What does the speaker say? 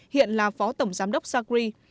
hiện là phó tổng giám đốc sacri